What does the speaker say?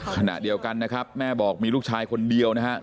ขณะเดียวกันนะครับแม่บอกมีลูกชายคนเดียวนะครับ